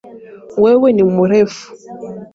Wewe ni mrefu.